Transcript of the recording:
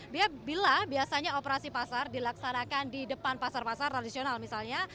bila biasanya operasi pasar dilaksanakan di depan pasar pasar tradisional misalnya